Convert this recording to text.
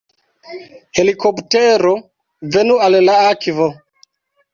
Helikoptero... venu al la akvo!